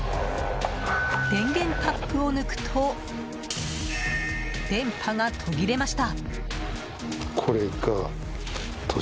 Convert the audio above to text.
電源タップを抜くと電波が途切れました。